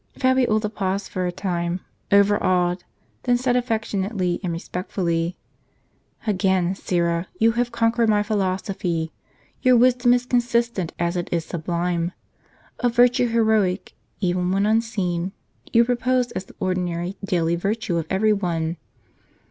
Fabiola paused for a time, overawed : then said affection ately and respectfully :" Again, Syra, you have conquered my philosophy. Your wisdom is consistent as it is sublime. A virtue heroic, even when unseen, you propose as the ordinary daily virtue of every one.